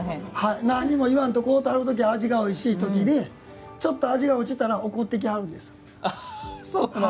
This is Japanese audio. なんも言わんとこうてるときは、おいしいときでちょっと味が落ちたら怒ってきはるんです。